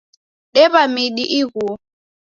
Dew'a midi ighuo